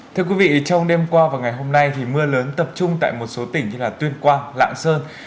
thưa quý vị trong đêm qua và ngày hôm nay thì mưa lớn tập trung tại một số tỉnh như tuyên quang lạng sơn